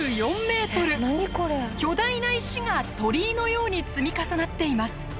巨大な石が鳥居のように積み重なっています。